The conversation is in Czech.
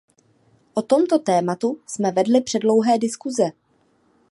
O tomto tématu jsme vedli předlouhé diskuze.